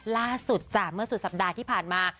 ลักษณ์สุดอาหรับเมื่อสุดสัปดาห์ที่ผ่านมา